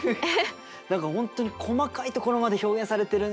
何か本当に細かい所まで表現されてるね。